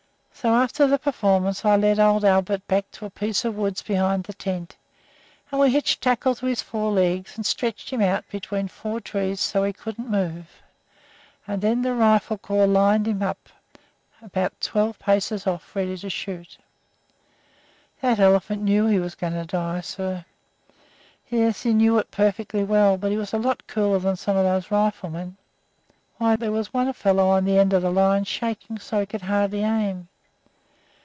So, after the performance I led old Albert back to a piece of woods behind the tents, and we hitched tackle to his four legs and stretched him out between four trees so he couldn't move, and then the rifle corps lined up about twelve paces off, ready to shoot. That elephant knew he was going to die; yes, sir, he knew it perfectly well, but he was a lot cooler than some of those riflemen. Why, there was one fellow on the end of the line shaking so he could hardly aim.